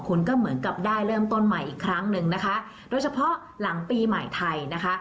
คุณก็เหมือนกับได้เริ่มต้นใหม่อีกครั้งหนึ่งนะคะโดยเฉพาะหลังปีใหม่ไทยนะคะ